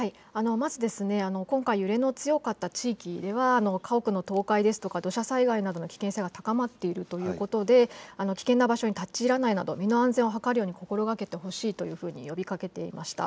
まず今回、揺れの強かった地域では家屋の倒壊ですとか土砂災害などの危険性が高まっているということで危険な場所に立ち入らないなど身の安全を図るように心がけてほしいといっていました。